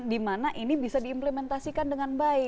di mana ini bisa diimplementasikan dengan baik